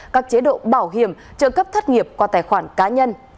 các chế độ bảo hiểm trợ cấp thất nghiệp qua tài khoản cá nhân